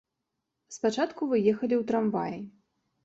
Спачатку вы ехалі ў трамваі.